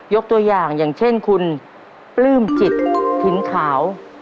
ตัวอย่างอย่างเช่นคุณปลื้มจิตถิ่นขาว